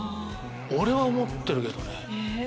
俺は思ってるけどね。